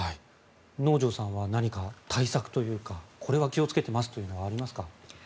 能條さんは何か対策というかこれは気をつけてますというのはありますか。